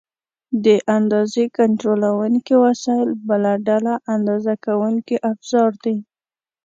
د اندازې کنټرولونکي وسایل بله ډله اندازه کوونکي افزار دي.